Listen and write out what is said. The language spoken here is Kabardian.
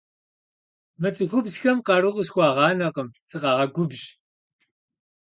Мы цӏыхубзхэм къару къысхуагъэнакъым, сыкъагъэгубжь.